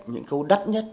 những câu đắt nhất